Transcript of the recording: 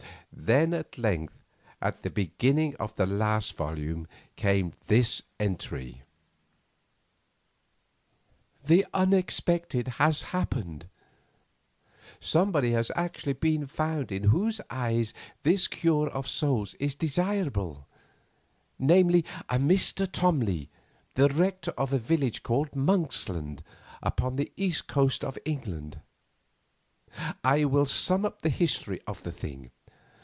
Then at length, at the beginning of the last volume, came this entry: "The unexpected has happened, somebody has actually been found in whose eyes this cure of souls is desirable—namely, a certain Mr. Tomley, the rector of a village called Monksland, upon the East Coast of England. I will sum up the history of the thing.